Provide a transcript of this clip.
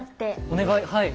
お願い？